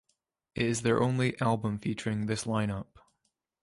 It is their only album featuring this lineup.